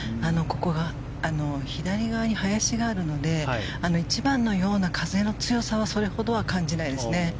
ここが左側に林があるので１番のような風の強さはそれほどは感じないですね。